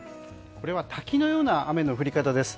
これは滝のような雨の降り方です。